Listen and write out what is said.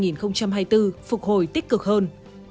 năm hai nghìn hai mươi bốn phục hồi tích cực hơn